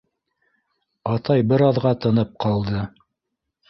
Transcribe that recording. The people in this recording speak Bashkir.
— Атай бер аҙға тынып ҡалды.